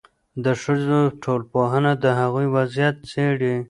د ښځو ټولنپوهنه د هغوی وضعیت څېړي.